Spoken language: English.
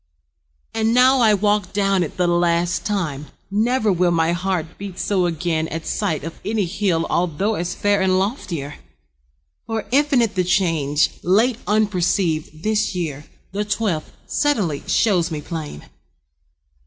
And now I walk Down it the last time. Never will My heart beat so again at sight Of any hill although as fair And loftier. For infinite The change, late unperceived, this year, The twelfth, suddenly, shows me plain.